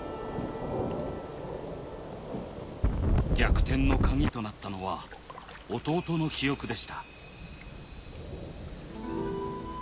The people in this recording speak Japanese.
「逆転」の鍵となったのは弟の記憶でした。